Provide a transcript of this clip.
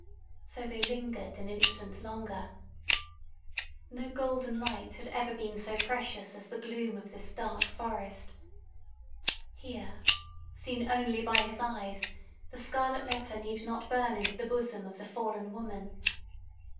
So they lingered an instant longer. No golden light had ever been so precious as the gloom of this dark forest. Here seen only by his eyes, the scarlet letter need not burn into the bosom of the fallen woman!